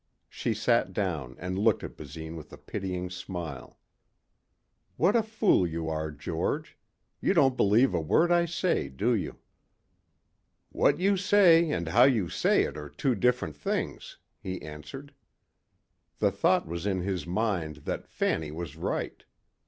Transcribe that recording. She sat down and looked at Basine with a pitying smile. "What a fool you are, George. You don't believe a word I say, do you?" "What you say and how you say it are two different things," he answered. The thought was in his mind that Fanny was right.